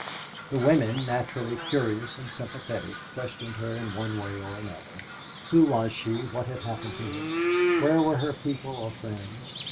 The women, naturally curious and sympathetic, questioned her in one way and another. Who was she, what had happened to her, where were her people or friends?